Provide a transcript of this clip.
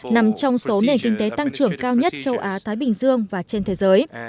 nằm trong số nền kinh tế tăng trưởng cao nhất châu á thái bình dương và trên thế giới